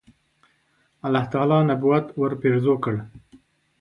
الله تعالی نبوت ورپېرزو کړ.